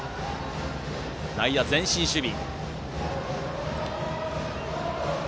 内野は前進守備。